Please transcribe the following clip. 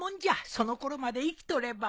その頃まで生きとれば。